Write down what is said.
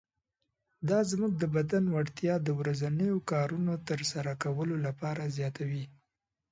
دا زموږ د بدن وړتیا د ورځنیو کارونو تر سره کولو لپاره زیاتوي.